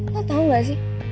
lo tau gak sih